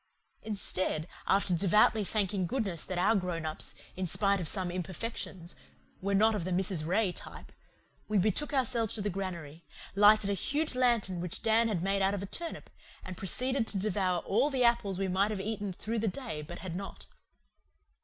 Instead, after devoutly thanking goodness that our grown ups, in spite of some imperfections, were not of the Mrs. Ray type, we betook ourselves to the granary, lighted a huge lantern which Dan had made out of a turnip, and proceeded to devour all the apples we might have eaten through the day but had not.